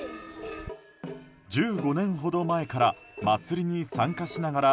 １５年ほど前から祭りに参加しながら